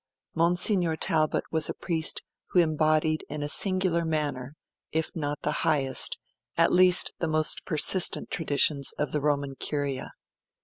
Monsignor Talbot was a priest who embodied in a singular manner, if not the highest, at least the most persistent traditions of the Roman Curia.